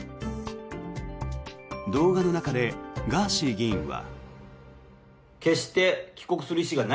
動画の中でガーシー議員は。